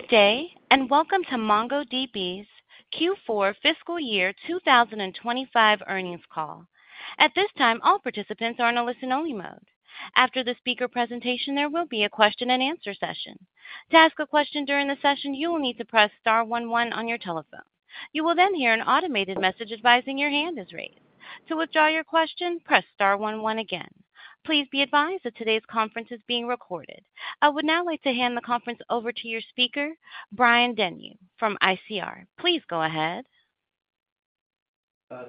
Good day, and welcome to MongoDB's Q4 Fiscal Year 2025 earnings call. At this time, all participants are on a listen-only mode. After the speaker presentation, there will be a question-and-answer session. To ask a question during the session, you will need to press star one-one on your telephone. You will then hear an automated message advising your hand is raised. To withdraw your question, press star one-one again. Please be advised that today's conference is being recorded. I would now like to hand the conference over to your speaker, Brian Denyeau, from ICR. Please go ahead.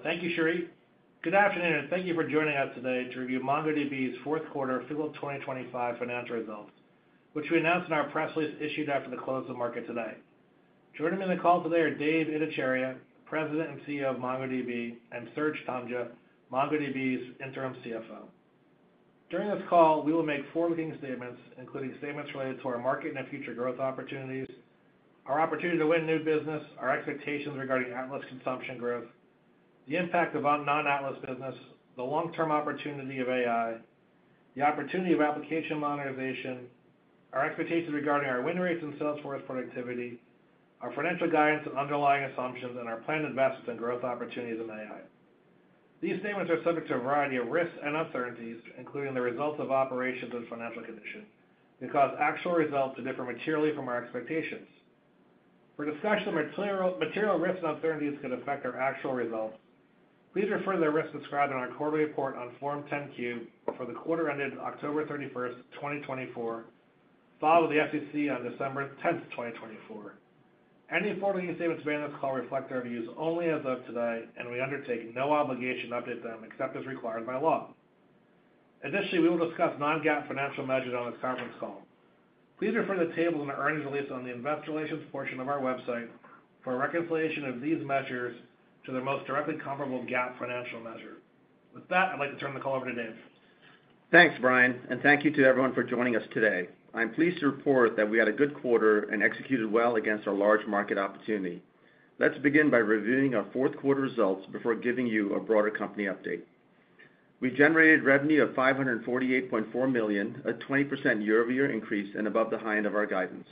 Thank you, Cherie. Good afternoon, and thank you for joining us today to review MongoDB's fourth quarter and fiscal year 2025 financial results, which we announced in our press release issued after the close of the market today. Joining me on the call today are Dev Ittycheria, President and CEO of MongoDB, and Serge Tanjga, MongoDB's interim CFO.During this call, we will make forward-looking statements, including statements related to our market and future growth opportunities, our opportunity to win new business, our expectations regarding Atlas consumption growth, the impact of non-Atlas business, the long-term opportunity of AI, the opportunity of application modernization, our expectations regarding our win rates and sales force productivity, our financial guidance and underlying assumptions, and our planned investments and growth opportunities in AI. These statements are subject to a variety of risks and uncertainties, including the results of operations and financial condition. They cause actual results to differ materially from our expectations. For discussion of material risks and uncertainties that could affect our actual results, please refer to the risks described in our quarterly report on Form 10-Q for the quarter ended October 31st, 2024, filed with the SEC on December 10th, 2024. Any forward-looking statements made in this call reflect our views only as of today, and we undertake no obligation to update them except as required by law. Additionally, we will discuss non-GAAP financial measures on this conference call. Please refer to the tables and earnings release on the investor relations portion of our website for reconciliation of these measures to the most directly comparable GAAP financial measure. With that, I'd like to turn the call over to Dev. Thanks, Brian, and thank you to everyone for joining us today. I'm pleased to report that we had a good quarter and executed well against our large market opportunity. Let's begin by reviewing our fourth quarter results before giving you a broader company update. We generated revenue of $548.4 million, a 20% year-over-year increase and above the high end of our guidance.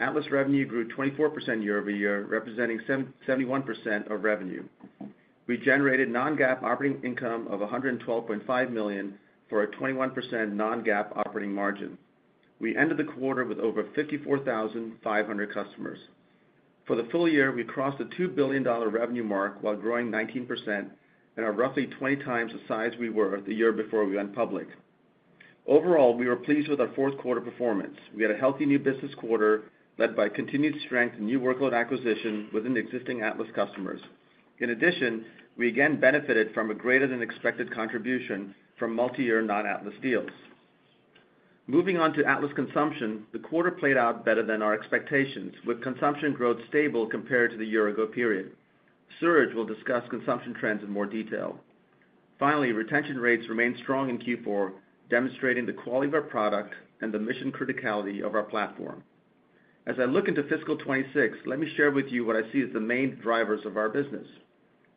Atlas revenue grew 24% year-over-year, representing 71% of revenue. We generated non-GAAP operating income of $112.5 million for a 21% non-GAAP operating margin. We ended the quarter with over 54,500 customers. For the full year, we crossed the $2 billion revenue mark while growing 19% and are roughly 20 times the size we were the year before we went public. Overall, we were pleased with our fourth quarter performance. We had a healthy new business quarter led by continued strength and new workload acquisition within existing Atlas customers. In addition, we again benefited from a greater-than-expected contribution from multi-year non-Atlas deals. Moving on to Atlas consumption, the quarter played out better than our expectations, with consumption growth stable compared to the year-ago period. Serge will discuss consumption trends in more detail. Finally, retention rates remained strong in Q4, demonstrating the quality of our product and the mission criticality of our platform. As I look into fiscal 2026, let me share with you what I see as the main drivers of our business.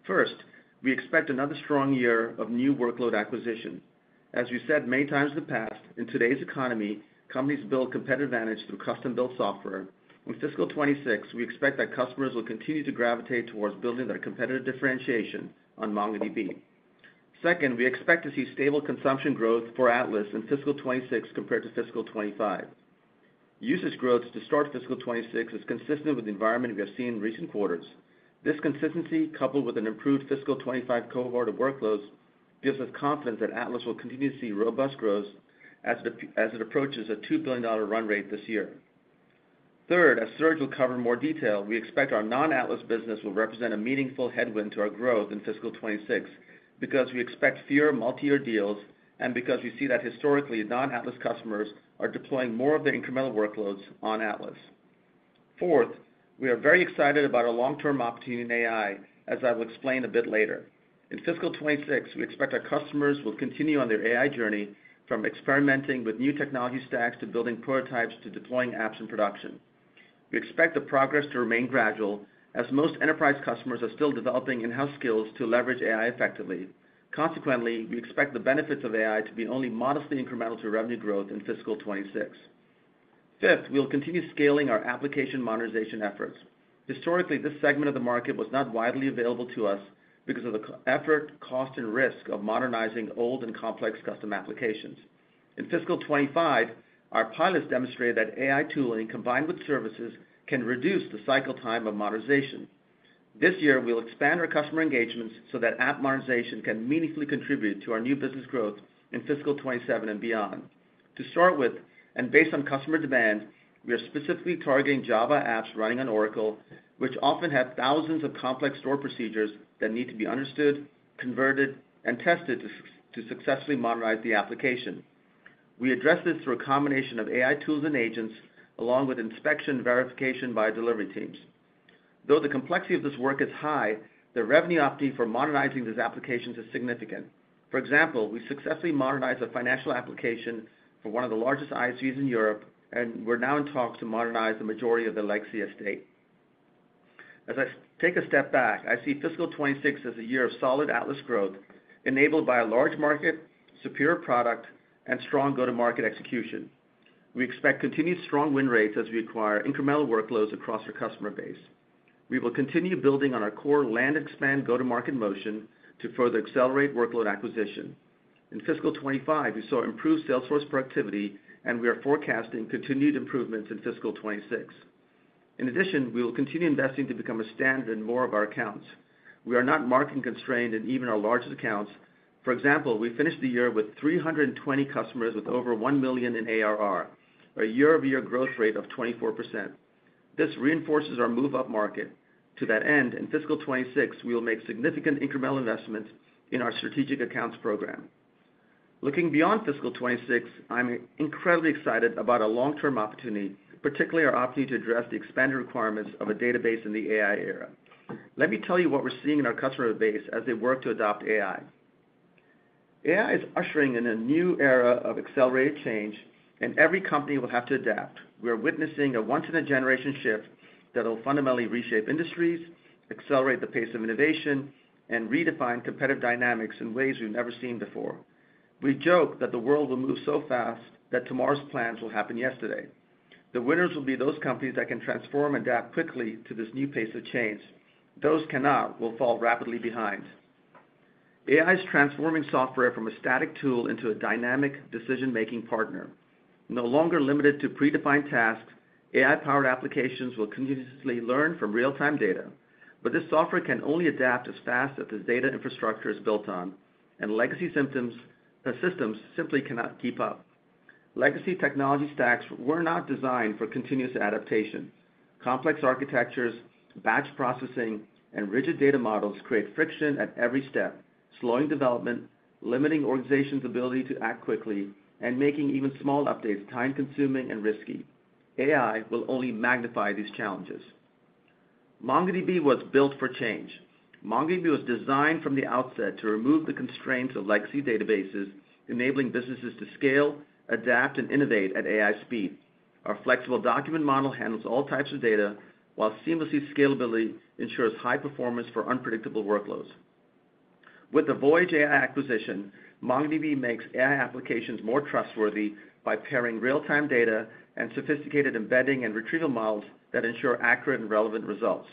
First, we expect another strong year of new workload acquisition. As we've said many times in the past, in today's economy, companies build competitive advantage through custom-built software. In fiscal 2026, we expect that customers will continue to gravitate towards building their competitive differentiation on MongoDB. Second, we expect to see stable consumption growth for Atlas in fiscal 2026 compared to fiscal 2025. Usage growth to start fiscal 2026 is consistent with the environment we have seen in recent quarters. This consistency, coupled with an improved fiscal 2025 cohort of workloads, gives us confidence that Atlas will continue to see robust growth as it approaches a $2 billion run rate this year. Third, as Serge will cover in more detail, we expect our non-Atlas business will represent a meaningful headwind to our growth in fiscal 2026 because we expect fewer multi-year deals and because we see that historically non-Atlas customers are deploying more of their incremental workloads on Atlas. Fourth, we are very excited about our long-term opportunity in AI, as I will explain a bit later. In fiscal 2026, we expect our customers will continue on their AI journey from experimenting with new technology stacks to building prototypes to deploying apps in production. We expect the progress to remain gradual as most enterprise customers are still developing in-house skills to leverage AI effectively. Consequently, we expect the benefits of AI to be only modestly incremental to revenue growth in fiscal 2026. Fifth, we will continue scaling our application modernization efforts. Historically, this segment of the market was not widely available to us because of the effort, cost, and risk of modernizing old and complex custom applications. In fiscal 2025, our pilots demonstrated that AI tooling combined with services can reduce the cycle time of modernization. This year, we will expand our customer engagements so that app modernization can meaningfully contribute to our new business growth in fiscal 2027 and beyond. To start with, and based on customer demand, we are specifically targeting Java apps running on Oracle, which often have thousands of complex stored procedures that need to be understood, converted, and tested to successfully modernize the application. We address this through a combination of AI tools and agents along with inspection and verification by delivery teams. Though the complexity of this work is high, the revenue opportunity for modernizing these applications is significant. For example, we successfully modernized a financial application for one of the largest ISVs in Europe, and we're now in talks to modernize the majority of the legacy estate. As I take a step back, I see fiscal 2026 as a year of solid Atlas growth enabled by a large market, superior product, and strong go-to-market execution. We expect continued strong win rates as we acquire incremental workloads across our customer base. We will continue building on our core land-expand go-to-market motion to further accelerate workload acquisition. In fiscal 2025, we saw improved sales force productivity, and we are forecasting continued improvements in fiscal 2026. In addition, we will continue investing to become a standard in more of our accounts. We are not market-constrained in even our largest accounts. For example, we finished the year with 320 customers with over $1 million in ARR, a year-over-year growth rate of 24%. This reinforces our move upmarket. To that end, in fiscal 2026, we will make significant incremental investments in our strategic accounts program. Looking beyond fiscal 2026, I'm incredibly excited about a long-term opportunity, particularly our opportunity to address the expanded requirements of a database in the AI era. Let me tell you what we're seeing in our customer base as they work to adopt AI. AI is ushering in a new era of accelerated change, and every company will have to adapt. We are witnessing a once-in-a-generation shift that will fundamentally reshape industries, accelerate the pace of innovation, and redefine competitive dynamics in ways we've never seen before. We joke that the world will move so fast that tomorrow's plans will happen yesterday. The winners will be those companies that can transform and adapt quickly to this new pace of change. Those cannot will fall rapidly behind. AI is transforming software from a static tool into a dynamic decision-making partner. No longer limited to predefined tasks, AI-powered applications will continuously learn from real-time data. But this software can only adapt as fast as the data infrastructure is built on, and legacy systems simply cannot keep up. Legacy technology stacks were not designed for continuous adaptation. Complex architectures, batch processing, and rigid data models create friction at every step, slowing development, limiting organizations' ability to act quickly, and making even small updates time-consuming and risky. AI will only magnify these challenges. MongoDB was built for change. MongoDB was designed from the outset to remove the constraints of legacy databases, enabling businesses to scale, adapt, and innovate at AI speed. Our flexible document model handles all types of data while seamless scalability ensures high performance for unpredictable workloads. With the Voyage AI acquisition, MongoDB makes AI applications more trustworthy by pairing real-time data and sophisticated embedding and retrieval models that ensure accurate and relevant results.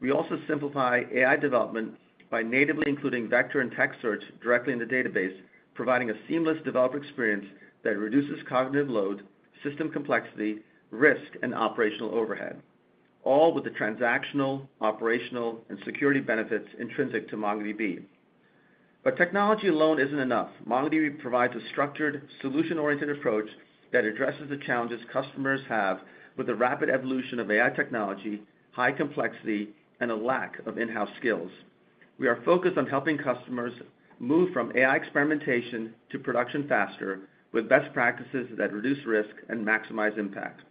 We also simplify AI development by natively including vector and text search directly in the database, providing a seamless developer experience that reduces cognitive load, system complexity, risk, and operational overhead, all with the transactional, operational, and security benefits intrinsic to MongoDB. But technology alone isn't enough. MongoDB provides a structured, solution-oriented approach that addresses the challenges customers have with the rapid evolution of AI technology, high complexity, and a lack of in-house skills. We are focused on helping customers move from AI experimentation to production faster with best practices that reduce risk and maximize impact.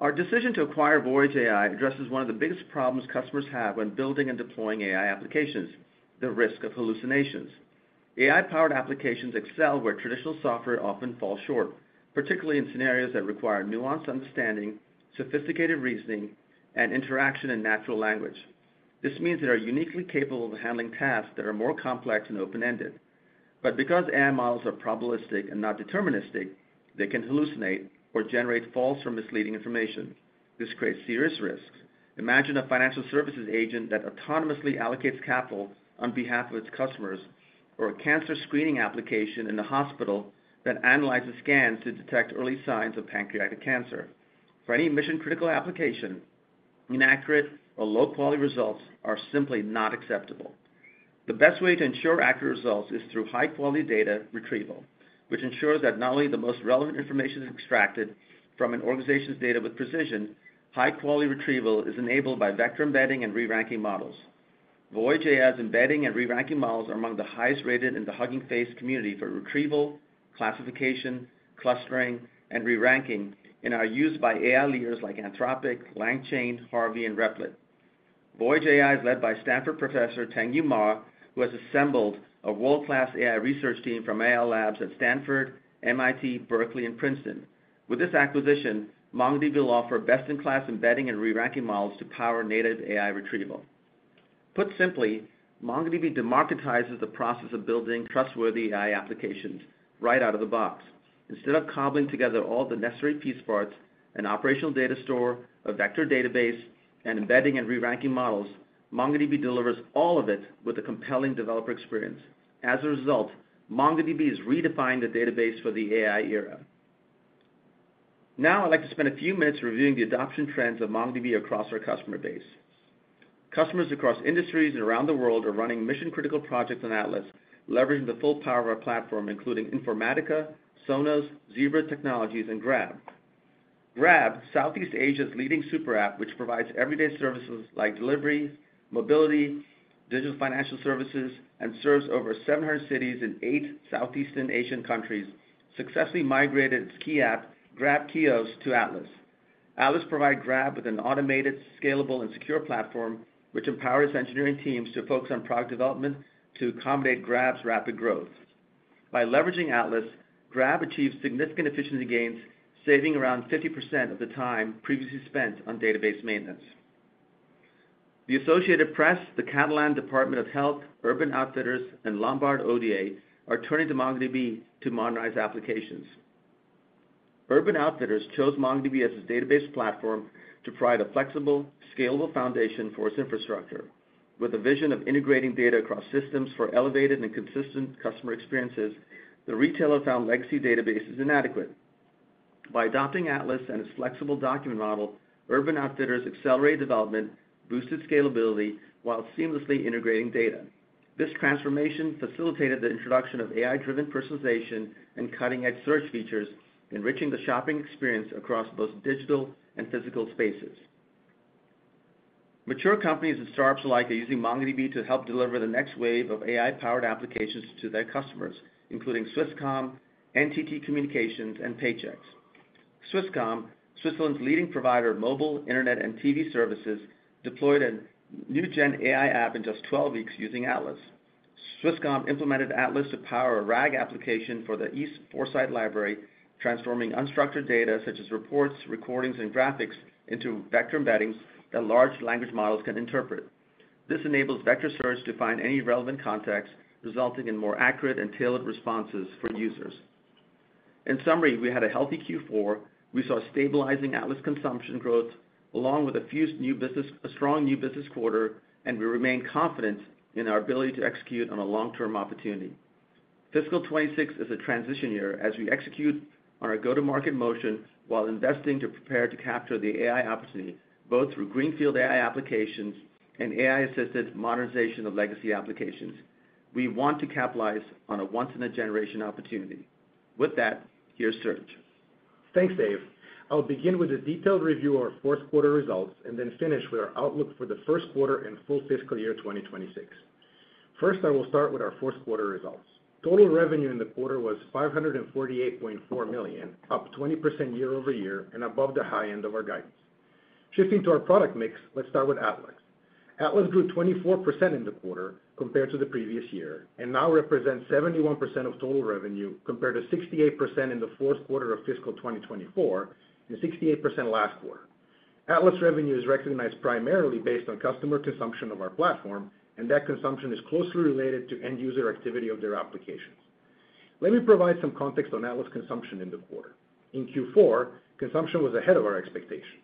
Our decision to acquire Voyage AI addresses one of the biggest problems customers have when building and deploying AI applications: the risk of hallucinations. AI-powered applications excel where traditional software often falls short, particularly in scenarios that require nuanced understanding, sophisticated reasoning, and interaction in natural language. This means they are uniquely capable of handling tasks that are more complex and open-ended. But because AI models are probabilistic and not deterministic, they can hallucinate or generate false or misleading information. This creates serious risks. Imagine a financial services agent that autonomously allocates capital on behalf of its customers or a cancer screening application in a hospital that analyzes scans to detect early signs of pancreatic cancer. For any mission-critical application, inaccurate or low-quality results are simply not acceptable. The best way to ensure accurate results is through high-quality data retrieval, which ensures that not only the most relevant information is extracted from an organization's data with precision. High-quality retrieval is enabled by vector embedding and re-ranking models. Voyage AI's embedding and re-ranking models are among the highest rated in the Hugging Face community for retrieval, classification, clustering, and re-ranking and are used by AI leaders like Anthropic, LangChain, Harvey, and Replit. Voyage AI is led by Stanford professor Tengyu Ma, who has assembled a world-class AI research team from AI labs at Stanford, MIT, Berkeley, and Princeton. With this acquisition, MongoDB will offer best-in-class embedding and re-ranking models to power native AI retrieval. Put simply, MongoDB democratizes the process of building trustworthy AI applications right out of the box. Instead of cobbling together all the necessary piece parts, an operational data store, a vector database, and embedding and re-ranking models, MongoDB delivers all of it with a compelling developer experience. As a result, MongoDB has redefined the database for the AI era. Now, I'd like to spend a few minutes reviewing the adoption trends of MongoDB across our customer base. Customers across industries and around the world are running mission-critical projects on Atlas, leveraging the full power of our platform, including Informatica, Sonos, Zebra Technologies, and Grab. Grab, Southeast Asia's leading super app, which provides everyday services like delivery, mobility, digital financial services, and serves over 700 cities in eight Southeast Asian countries, successfully migrated its key app, GrabKios, to Atlas. Atlas provides Grab with an automated, scalable, and secure platform, which empowers engineering teams to focus on product development to accommodate Grab's rapid growth. By leveraging Atlas, Grab achieves significant efficiency gains, saving around 50% of the time previously spent on database maintenance. The Associated Press, the Catalan Department of Health, Urban Outfitters, and Lombard Odier are turning to MongoDB to modernize applications. Urban Outfitters chose MongoDB as its database platform to provide a flexible, scalable foundation for its infrastructure. With a vision of integrating data across systems for elevated and consistent customer experiences, the retailer found legacy databases inadequate. By adopting Atlas and its flexible document model, Urban Outfitters accelerated development, boosted scalability, while seamlessly integrating data. This transformation facilitated the introduction of AI-driven personalization and cutting-edge search features, enriching the shopping experience across both digital and physical spaces. Mature companies and startups alike are using MongoDB to help deliver the next wave of AI-powered applications to their customers, including Swisscom, NTT Communications, and Paychex. Swisscom, Switzerland's leading provider of mobile, internet, and TV services, deployed a new-Gen AI app in just 12 weeks using Atlas. Swisscom implemented Atlas to power a RAG application for the e-foresight library, transforming unstructured data such as reports, recordings, and graphics into vector embeddings that large language models can interpret. This enables vector search to find any relevant context, resulting in more accurate and tailored responses for users. In summary, we had a healthy Q4. We saw stabilizing Atlas consumption growth along with a few new business, a strong new business quarter, and we remain confident in our ability to execute on a long-term opportunity. Fiscal 2026 is a transition year as we execute on our go-to-market motion while investing to prepare to capture the AI opportunity, both through greenfield AI applications and AI-assisted modernization of legacy applications. We want to capitalize on a once-in-a-generation opportunity. With that, here's Serge. Thanks, Dev. I'll begin with a detailed review of our fourth quarter results and then finish with our outlook for the first quarter and full fiscal year 2026. First, I will start with our fourth quarter results. Total revenue in the quarter was $548.4 million, up 20% year-over-year and above the high end of our guidance. Shifting to our product mix, let's start with Atlas. Atlas grew 24% in the quarter compared to the previous year and now represents 71% of total revenue compared to 68% in the fourth quarter of fiscal 2024 and 68% last quarter. Atlas revenue is recognized primarily based on customer consumption of our platform, and that consumption is closely related to end-user activity of their applications. Let me provide some context on Atlas consumption in the quarter. In Q4, consumption was ahead of our expectations.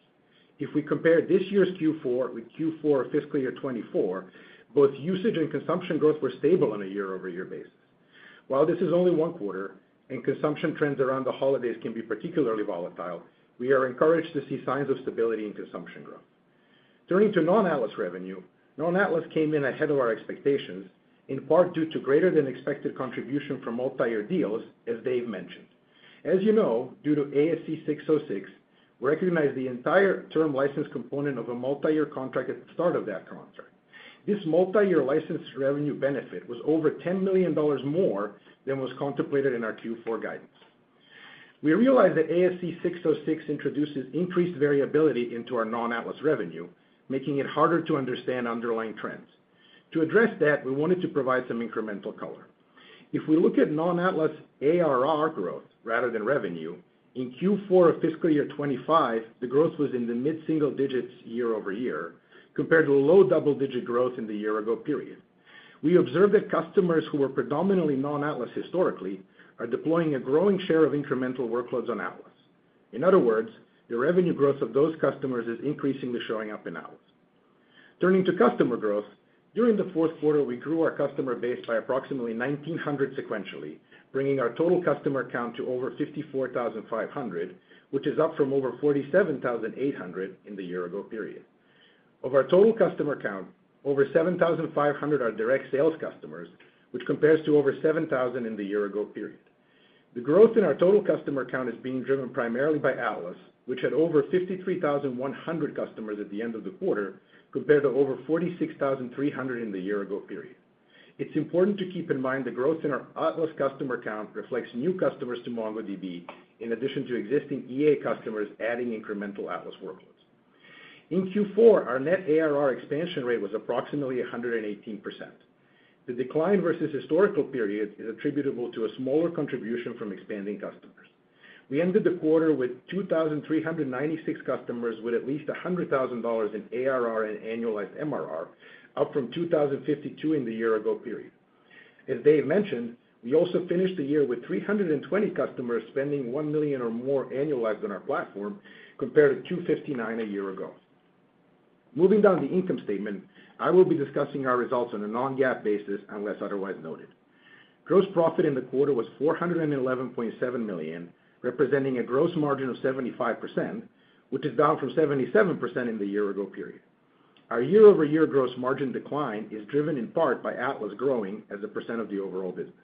If we compare this year's Q4 with Q4 of fiscal year 2024, both usage and consumption growth were stable on a year-over-year basis. While this is only one quarter and consumption trends around the holidays can be particularly volatile, we are encouraged to see signs of stability in consumption growth. Turning to non-Atlas revenue, non-Atlas came in ahead of our expectations, in part due to greater than expected contribution for multi-year deals, as Dev mentioned. As you know, due to ASC 606, we recognize the entire term license component of a multi-year contract at the start of that contract. This multi-year license revenue benefit was over $10 million more than was contemplated in our Q4 guidance. We realized that ASC 606 introduces increased variability into our non-Atlas revenue, making it harder to understand underlying trends. To address that, we wanted to provide some incremental color. If we look at non-Atlas ARR growth rather than revenue, in Q4 of fiscal year 2025, the growth was in the mid-single digits year-over-year compared to low double-digit growth in the year-ago period. We observed that customers who were predominantly non-Atlas historically are deploying a growing share of incremental workloads on Atlas. In other words, the revenue growth of those customers is increasingly showing up in Atlas. Turning to customer growth, during the fourth quarter, we grew our customer base by approximately 1,900 sequentially, bringing our total customer count to over 54,500, which is up from over 47,800 in the year-ago period. Of our total customer count, over 7,500 are direct sales customers, which compares to over 7,000 in the year-ago period. The growth in our total customer count is being driven primarily by Atlas, which had over 53,100 customers at the end of the quarter compared to over 46,300 in the year-ago period. It's important to keep in mind the growth in our Atlas customer count reflects new customers to MongoDB, in addition to existing EA customers adding incremental Atlas workloads. In Q4, our net ARR expansion rate was approximately 118%. The decline versus historical period is attributable to a smaller contribution from expanding customers. We ended the quarter with 2,396 customers with at least $100,000 in ARR and annualized MRR, up from 2,052 in the year-ago period. As Dev mentioned, we also finished the year with 320 customers spending $1 million or more annualized on our platform compared to 259 a year ago. Moving down the income statement, I will be discussing our results on a non-GAAP basis unless otherwise noted. Gross profit in the quarter was $411.7 million, representing a gross margin of 75%, which is down from 77% in the year-ago period. Our year-over-year gross margin decline is driven in part by Atlas growing as a percent of the overall business.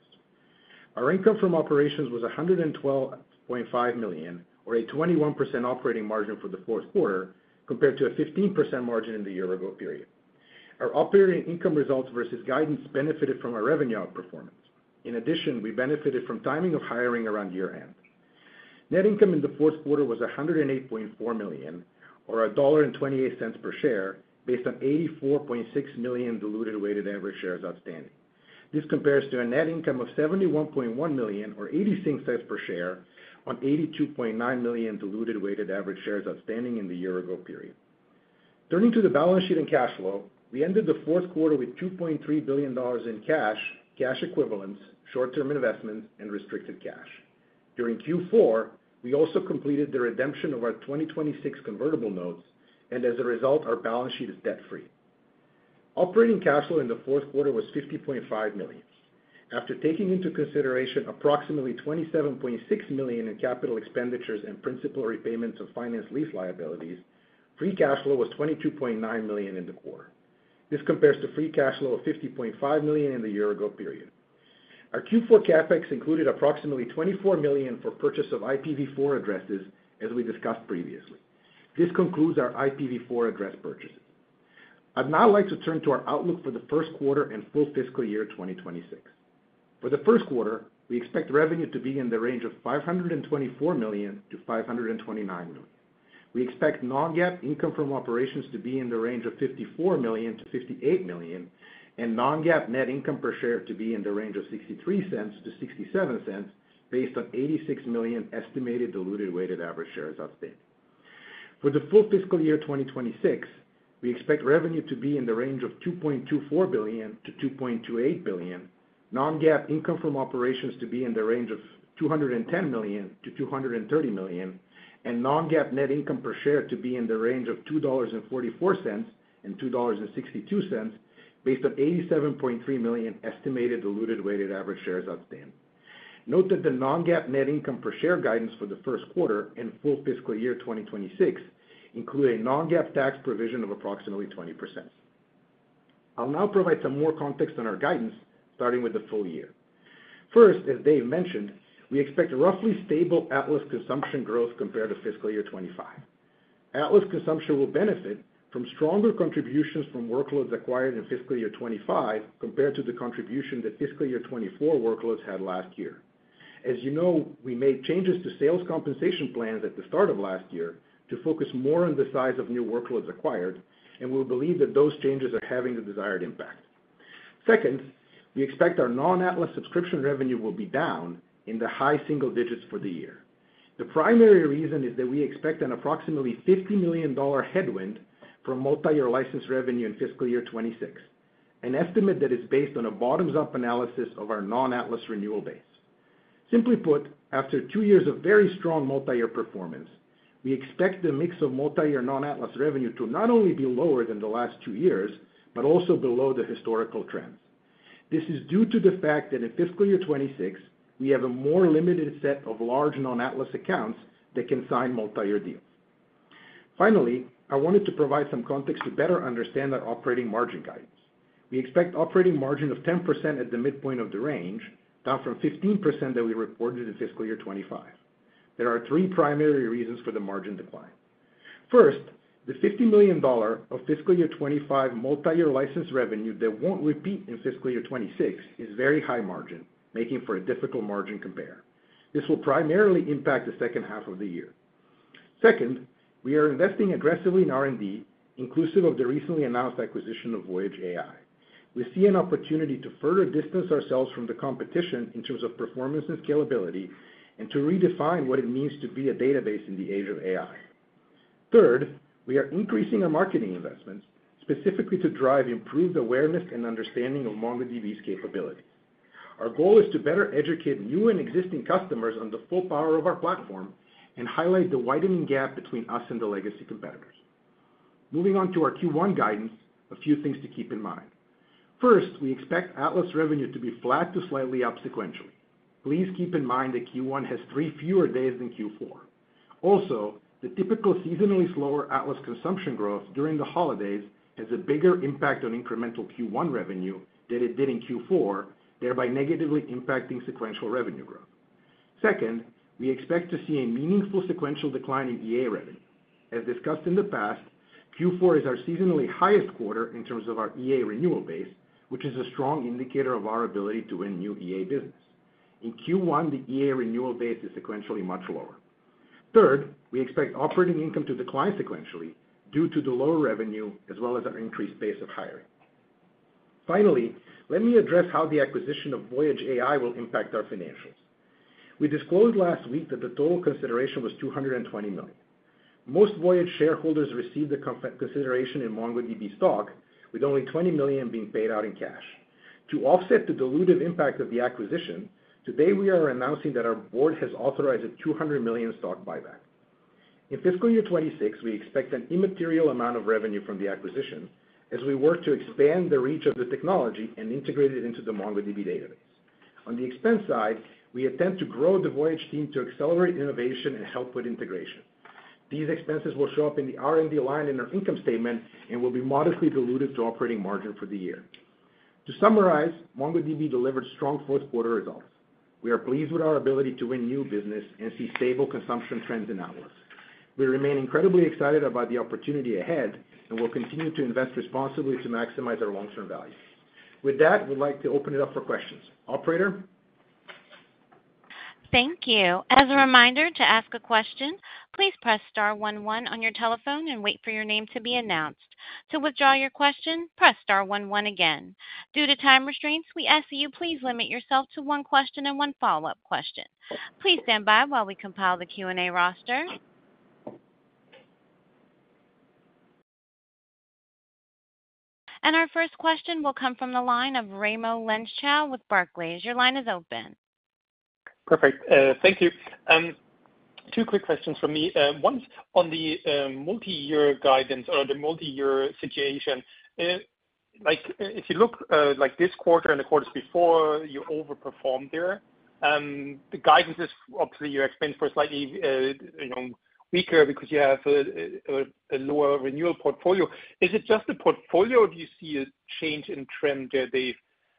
Our income from operations was $112.5 million, or a 21% operating margin for the fourth quarter compared to a 15% margin in the year-ago period. Our operating income results versus guidance benefited from our revenue outperformance. In addition, we benefited from timing of hiring around year-end. Net income in the fourth quarter was $108.4 million, or $1.28 per share, based on 84.6 million diluted weighted average shares outstanding. This compares to a net income of $71.1 million, or $0.86 per share, on 82.9 million diluted weighted average shares outstanding in the year-ago period. Turning to the balance sheet and cash flow, we ended the fourth quarter with $2.3 billion in cash, cash equivalents, short-term investments, and restricted cash. During Q4, we also completed the redemption of our 2026 convertible notes, and as a result, our balance sheet is debt-free. Operating cash flow in the fourth quarter was $50.5 million. After taking into consideration approximately $27.6 million in capital expenditures and principal repayments of financed lease liabilities, free cash flow was $22.9 million in the quarter. This compares to free cash flow of $50.5 million in the year-ago period. Our Q4 CapEx included approximately $24 million for purchase of IPv4 addresses, as we discussed previously. This concludes our IPv4 address purchases. I'd now like to turn to our outlook for the first quarter and full fiscal year 2026. For the first quarter, we expect revenue to be in the range of $524 million-$529 million. We expect non-GAAP income from operations to be in the range of $54 million-$58 million, and non-GAAP net income per share to be in the range of $0.63-$0.67 based on 86 million estimated diluted weighted average shares outstanding. For the full fiscal year 2026, we expect revenue to be in the range of $2.24 billion-$2.28 billion, non-GAAP income from operations to be in the range of $210 million-$230 million, and non-GAAP net income per share to be in the range of $2.44-$2.62 based on 87.3 million estimated diluted weighted average shares outstanding. Note that the non-GAAP net income per share guidance for the first quarter and full fiscal year 2026 include a non-GAAP tax provision of approximately 20%. I'll now provide some more context on our guidance, starting with the full year. First, as Dev mentioned, we expect roughly stable Atlas consumption growth compared to fiscal year 2025. Atlas consumption will benefit from stronger contributions from workloads acquired in fiscal year 2025 compared to the contribution that fiscal year 2024 workloads had last year. As you know, we made changes to sales compensation plans at the start of last year to focus more on the size of new workloads acquired, and we believe that those changes are having the desired impact. Second, we expect our non-Atlas subscription revenue will be down in the high single digits for the year. The primary reason is that we expect an approximately $50 million headwind from multi-year license revenue in fiscal year 2026, an estimate that is based on a bottoms-up analysis of our non-Atlas renewal base. Simply put, after two years of very strong multi-year performance, we expect the mix of multi-year non-Atlas revenue to not only be lower than the last two years, but also below the historical trends. This is due to the fact that in fiscal year 2026, we have a more limited set of large non-Atlas accounts that can sign multi-year deals. Finally, I wanted to provide some context to better understand our operating margin guidance. We expect operating margin of 10% at the midpoint of the range, down from 15% that we reported in fiscal year 2025. There are three primary reasons for the margin decline. First, the $50 million of fiscal year 2025 multi-year license revenue that won't repeat in fiscal year 2026 is very high margin, making for a difficult margin compare. This will primarily impact the second half of the year. Second, we are investing aggressively in R&D, inclusive of the recently announced acquisition of Voyage AI. We see an opportunity to further distance ourselves from the competition in terms of performance and scalability and to redefine what it means to be a database in the age of AI. Third, we are increasing our marketing investments, specifically to drive improved awareness and understanding of MongoDB's capabilities. Our goal is to better educate new and existing customers on the full power of our platform and highlight the widening gap between us and the legacy competitors. Moving on to our Q1 guidance, a few things to keep in mind. First, we expect Atlas revenue to be flat to slightly up sequentially. Please keep in mind that Q1 has three fewer days than Q4. Also, the typical seasonally slower Atlas consumption growth during the holidays has a bigger impact on incremental Q1 revenue than it did in Q4, thereby negatively impacting sequential revenue growth. Second, we expect to see a meaningful sequential decline in EA revenue. As discussed in the past, Q4 is our seasonally highest quarter in terms of our EA renewal base, which is a strong indicator of our ability to win new EA business. In Q1, the EA renewal base is sequentially much lower. Third, we expect operating income to decline sequentially due to the lower revenue as well as our increased base of hiring. Finally, let me address how the acquisition of Voyage AI will impact our financials. We disclosed last week that the total consideration was $220 million. Most Voyage shareholders received the consideration in MongoDB stock, with only $20 million being paid out in cash. To offset the dilutive impact of the acquisition, today we are announcing that our board has authorized a $200 million stock buyback. In fiscal year 2026, we expect an immaterial amount of revenue from the acquisition as we work to expand the reach of the technology and integrate it into the MongoDB database. On the expense side, we attempt to grow the Voyage team to accelerate innovation and help with integration. These expenses will show up in the R&D line in our income statement and will be modestly diluted to operating margin for the year. To summarize, MongoDB delivered strong fourth quarter results. We are pleased with our ability to win new business and see stable consumption trends in Atlas. We remain incredibly excited about the opportunity ahead and will continue to invest responsibly to maximize our long-term value. With that, we'd like to open it up for questions. Operator? Thank you. As a reminder, to ask a question, please press star one-one on your telephone and wait for your name to be announced. To withdraw your question, press star one-one again. Due to time restraints, we ask that you please limit yourself to one question and one follow-up question. Please stand by while we compile the Q&A roster. Our first question will come from the line of Raimo Lenschow with Barclays. Your line is open. Perfect. Thank you. Two quick questions for me. One's on the multi-year guidance or the multi-year situation. If you look like this quarter and the quarters before, you overperformed there. The guidance is obviously your expense was slightly weaker because you have a lower renewal portfolio. Is it just the portfolio or do you see a change in trend there, Dev?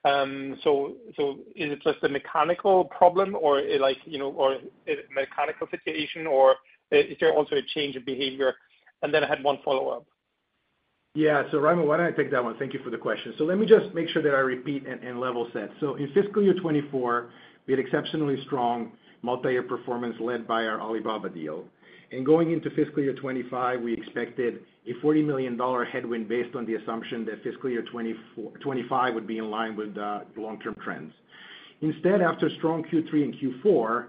Is it just a mechanical problem or a mechanical situation, or is there also a change in behavior? Then I had one follow-up. Yeah. Raimo, why don't I take that one? Thank you for the question. Let me just make sure that I repeat and level set. In fiscal year 2024, we had exceptionally strong multi-year performance led by our Alibaba deal. Going into fiscal year 2025, we expected a $40 million headwind based on the assumption that fiscal year 2025 would be in line with the long-term trends. Instead, after strong Q3 and Q4,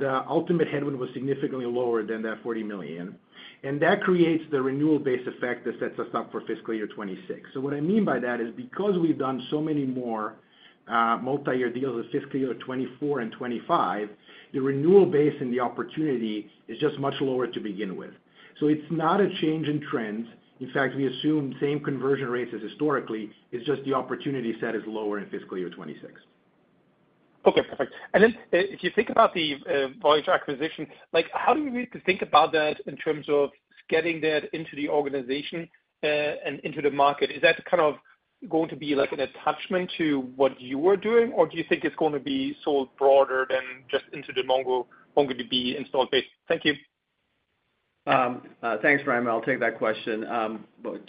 the ultimate headwind was significantly lower than that $40 million. And that creates the renewal base effect that sets us up for fiscal year 2026. So what I mean by that is because we've done so many more multi-year deals with fiscal year 2024 and 2025, the renewal base and the opportunity is just much lower to begin with. So it's not a change in trends. In fact, we assume same conversion rates as historically. It's just the opportunity set is lower in fiscal year 2026. Okay. Perfect. And then if you think about the Voyage acquisition, how do we think about that in terms of getting that into the organization and into the market? Is that kind of going to be an attachment to what you are doing, or do you think it's going to be sold broader than just into the MongoDB installed base? Thank you. Thanks, Raimo. I'll take that question.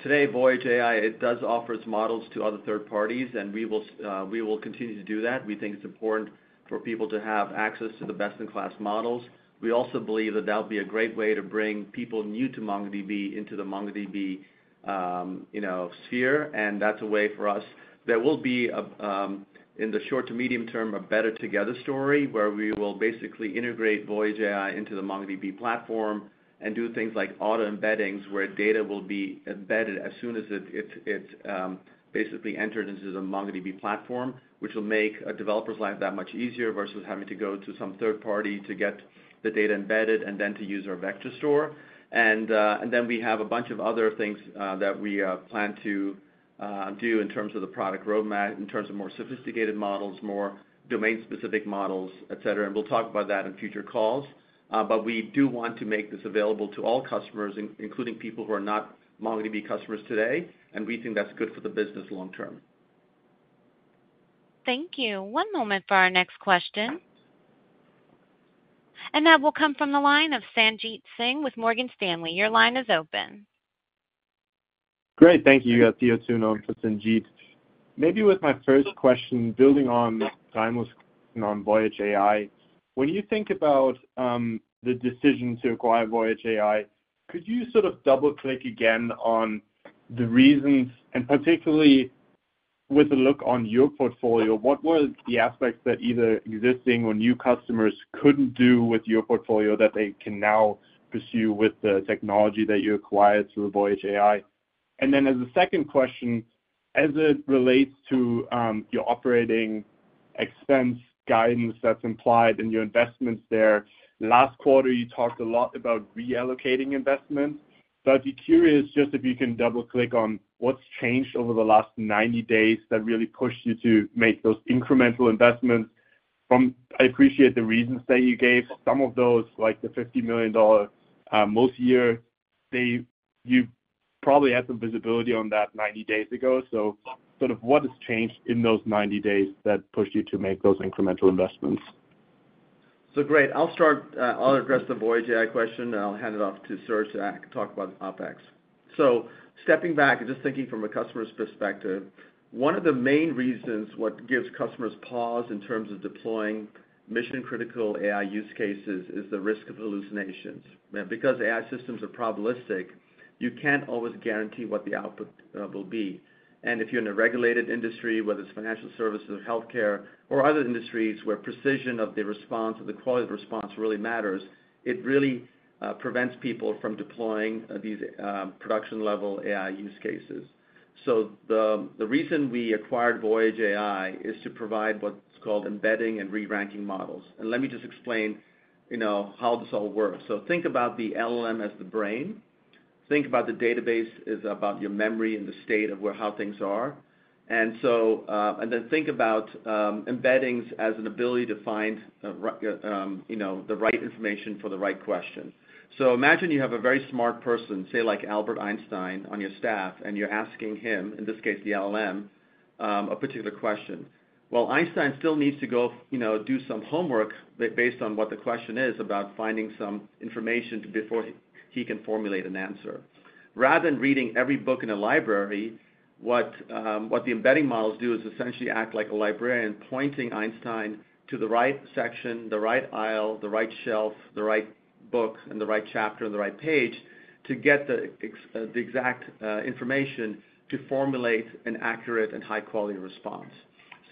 Today, Voyage AI, it does offer its models to other third parties, and we will continue to do that. We think it's important for people to have access to the best-in-class models. We also believe that that'll be a great way to bring people new to MongoDB into the MongoDB sphere. And that's a way for us. There will be, in the short to medium term, a better together story where we will basically integrate Voyage AI into the MongoDB platform and do things like auto embeddings where data will be embedded as soon as it's basically entered into the MongoDB platform, which will make a developer's life that much easier versus having to go to some third party to get the data embedded and then to use our vector store. And then we have a bunch of other things that we plan to do in terms of the product roadmap, in terms of more sophisticated models, more domain-specific models, etc. And we'll talk about that in future calls. But we do want to make this available to all customers, including people who are not MongoDB customers today, and we think that's good for the business long-term. Thank you. One moment for our next question. And that will come from the line of Sanjit Singh with Morgan Stanley. Your line is open. Great. Thank you, Theo Thun for Sanjit. Maybe with my first question, building on the timeless question on Voyage AI, when you think about the decision to acquire Voyage AI, could you sort of double-click again on the reasons, and particularly with a look on your portfolio, what were the aspects that either existing or new customers couldn't do with your portfolio that they can now pursue with the technology that you acquired through Voyage AI? And then as a second question, as it relates to your operating expense guidance that's implied in your investments there, last quarter you talked a lot about reallocating investments. But I'd be curious just if you can double-click on what's changed over the last 90 days that really pushed you to make those incremental investments. I appreciate the reasons that you gave. Some of those, like the $50 million multi-year, you probably had some visibility on that 90 days ago. So sort of what has changed in those 90 days that pushed you to make those incremental investments? So great. I'll address the Voyage AI question, and I'll hand it off to Serge to talk about the OpEx. So stepping back and just thinking from a customer's perspective, one of the main reasons, what gives customers pause in terms of deploying mission-critical AI use cases, is the risk of hallucinations. Because AI systems are probabilistic, you can't always guarantee what the output will be. And if you're in a regulated industry, whether it's financial services or healthcare or other industries where precision of the response or the quality of the response really matters, it really prevents people from deploying these production-level AI use cases. So the reason we acquired Voyage AI is to provide what's called embedding and re-ranking models. And let me just explain how this all works. So think about the LLM as the brain. Think about the database as about your memory and the state of how things are. And then think about embeddings as an ability to find the right information for the right question. So imagine you have a very smart person, say like Albert Einstein, on your staff, and you're asking him, in this case, the LLM, a particular question. Well, Einstein still needs to go do some homework based on what the question is about finding some information before he can formulate an answer. Rather than reading every book in a library, what the embedding models do is essentially act like a librarian, pointing Einstein to the right section, the right aisle, the right shelf, the right book, and the right chapter and the right page to get the exact information to formulate an accurate and high-quality response.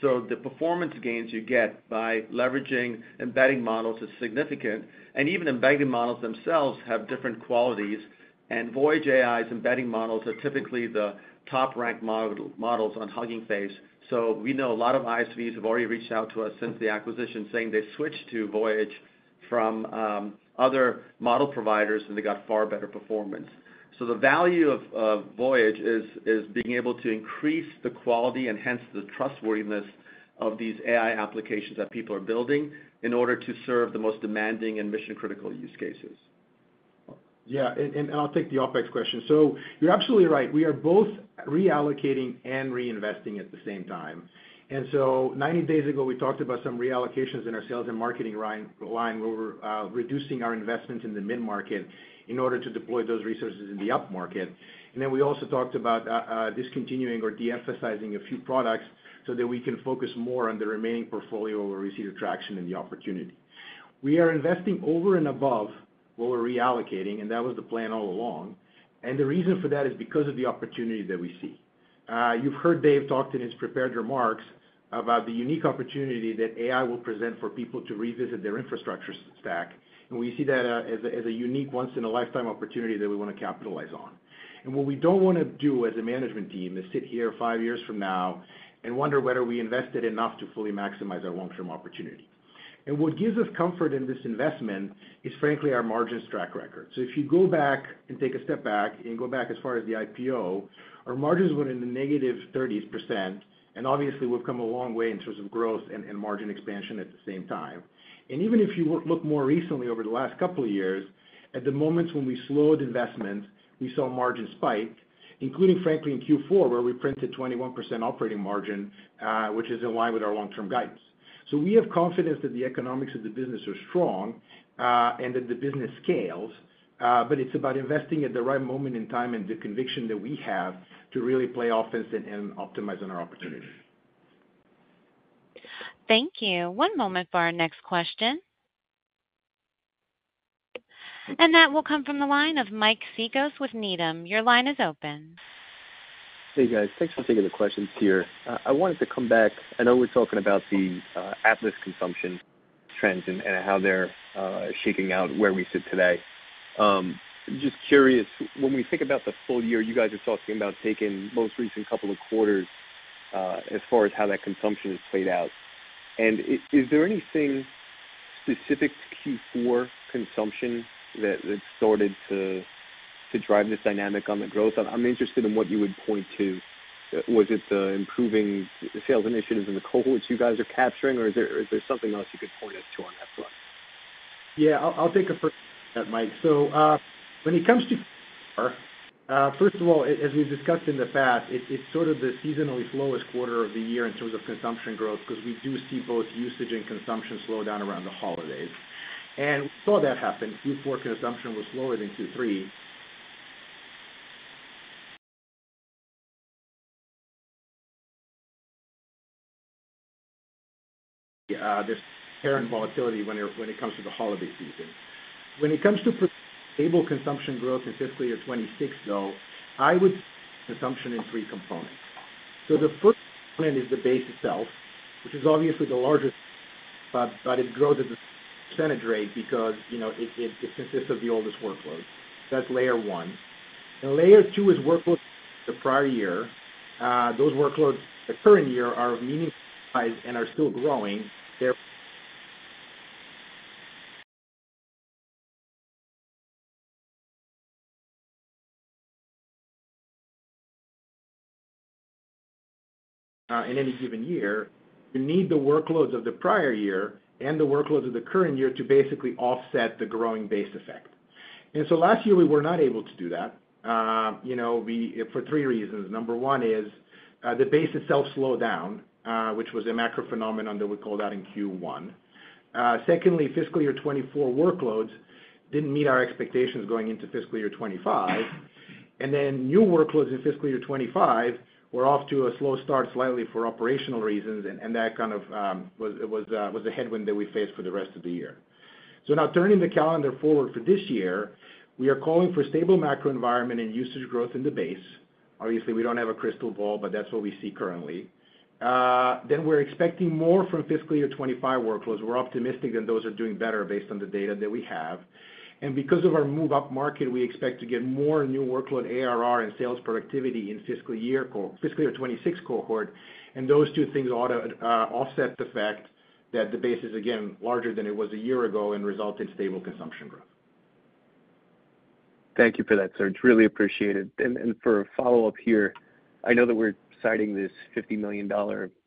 The performance gains you get by leveraging embedding models is significant, and even embedding models themselves have different qualities. Voyage AI's embedding models are typically the top-ranked models on Hugging Face. We know a lot of ISVs have already reached out to us since the acquisition, saying they switched to Voyage from other model providers, and they got far better performance. So the value of Voyage is being able to increase the quality and hence the trustworthiness of these AI applications that people are building in order to serve the most demanding and mission-critical use cases. Yeah. And I'll take the OpEx question. So you're absolutely right. We are both reallocating and reinvesting at the same time. And so 90 days ago, we talked about some reallocations in our sales and marketing line where we're reducing our investment in the mid-market in order to deploy those resources in the up-market. And then we also talked about discontinuing or de-emphasizing a few products so that we can focus more on the remaining portfolio where we see the traction and the opportunity. We are investing over and above what we're reallocating, and that was the plan all along. And the reason for that is because of the opportunity that we see. You've heard Dev talk in his prepared remarks about the unique opportunity that AI will present for people to revisit their infrastructure stack, and we see that as a unique, once-in-a-lifetime opportunity that we want to capitalize on. What we don't want to do as a management team is sit here five years from now and wonder whether we invested enough to fully maximize our long-term opportunity. What gives us comfort in this investment is, frankly, our margins track record. So if you go back and take a step back and go back as far as the IPO, our margins were -30%. Obviously, we've come a long way in terms of growth and margin expansion at the same time. Even if you look more recently over the last couple of years, at the moments when we slowed investments, we saw margins spike, including, frankly, in Q4, where we printed 21% operating margin, which is in line with our long-term guidance. We have confidence that the economics of the business are strong and that the business scales. It's about investing at the right moment in time and the conviction that we have to really play offense and optimize on our opportunity. Thank you. One moment for our next question. That will come from the line of Mike Cikos with Needham. Your line is open. Hey, guys. Thanks for taking the questions here. I wanted to come back. I know we're talking about the Atlas consumption trends and how they're shaking out where we sit today. Just curious, when we think about the full year, you guys are talking about taking most recent couple of quarters as far as how that consumption has played out. And is there anything specific to Q4 consumption that started to drive this dynamic on the growth? I'm interested in what you would point to. Was it the improving sales initiatives and the cohorts you guys are capturing, or is there something else you could point us to on that for? Yeah. I'll take a first step, Mike. So when it comes to Q4, first of all, as we've discussed in the past, it's sort of the seasonally slowest quarter of the year in terms of consumption growth because we do see both usage and consumption slow down around the holidays. And we saw that happen. Q4 consumption was slower than Q3. There's apparent volatility when it comes to the holiday season. When it comes to stable consumption growth in fiscal year 2026, though, I would see consumption in three components, so the first component is the base itself, which is obviously the largest, but it grows at a percentage rate because it consists of the oldest workloads. That's layer one, and layer two is workloads from the prior-year. Those workloads the current year are of meaningful size and are still growing, in any given year, you need the workloads of the prior-year and the workloads of the current year to basically offset the growing base effect, and so last year, we were not able to do that for three reasons. Number one is the base itself slowed down, which was a macro phenomenon that we called out in Q1. Secondly, fiscal year 2024 workloads didn't meet our expectations going into fiscal year 2025. And then new workloads in fiscal year 2025 were off to a slow start slightly for operational reasons, and that kind of was the headwind that we faced for the rest of the year. So now, turning the calendar forward for this year, we are calling for stable macro environment and usage growth in the base. Obviously, we don't have a crystal ball, but that's what we see currently. Then we're expecting more from fiscal year 2025 workloads. We're optimistic that those are doing better based on the data that we have. And because of our move upmarket, we expect to get more new workload ARR and sales productivity in fiscal year 2026 cohort. Those two things ought to offset the fact that the base is, again, larger than it was a year ago and result in stable consumption growth. Thank you for that, Serge. Really appreciate it. And for a follow-up here, I know that we're citing this $50 million